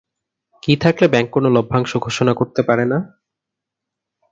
কি থাকলে ব্যাংক কোনো লভ্যাংশ ঘোষণা করতে পারে না?